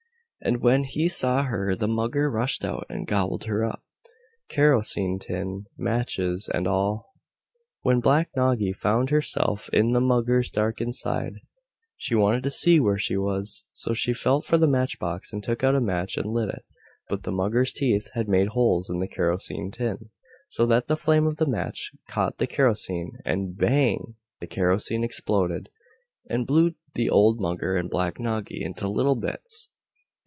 And when he saw her the Mugger rushed out and gobbled her up, kerosene tin, matches and all!!! When Black Noggy found herself in the Muggers' dark inside, she wanted to see where she was, so she felt for the match box and took out a match and lit it. But the Mugger's teeth had made holes in the kerosene tin, so that the flame of the match caught the kerosene, and BANG!! the kerosene exploded, and blew the old Mugger and Black Noggy into little bits.